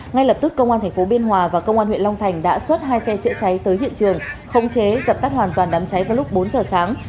ngay lập tức công an tp biên hòa và công an huyện long thành đã xuất hai xe chữa cháy tới hiện trường không chế dập tắt hoàn toàn đám cháy vào lúc bốn giờ sáng